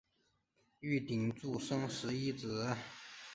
玉鼎柱生十一子。